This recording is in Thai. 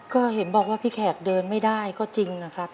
ก็เห็นบอกว่าพี่แขกเดินไม่ได้ก็จริงนะครับ